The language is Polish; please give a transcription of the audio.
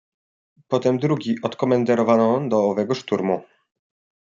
"Potem drugi odkomenderowano do owego szturmu."